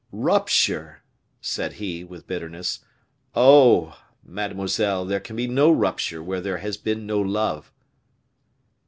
"Rupture!" said he, with bitterness. "Oh! mademoiselle, there can be no rupture where there has been no love."